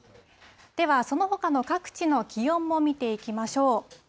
ではそのほかの各地の気温も見ていきましょう。